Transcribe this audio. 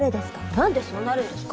なんでそうなるんですか？